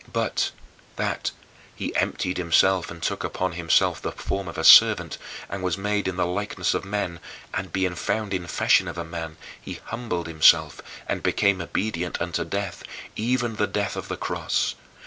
But, that "he emptied himself and took upon himself the form of a servant, and was made in the likeness of men: and being found in fashion as a man, he humbled himself, and became obedient unto death, even the death of the cross.